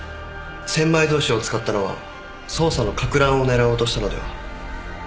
千枚通しを使ったのは捜査のかく乱を狙おうとしたのでは？